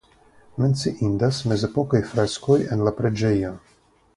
Menciindas mezepokaj freskoj en la preĝejo.